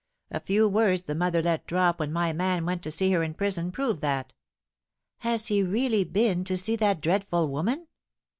A few words the mother let drop when my man went to see her in prison prove that." "Has he really been to see that dreadful woman?"